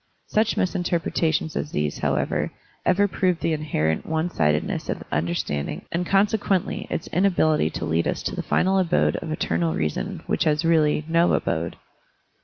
Such mis interpretations as these, however, ever prove the inherent onesidedness of the understanding and consequently its inability to lead us to the final abode of eternal reason which has really "no abode."